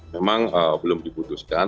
memang belum diputuskan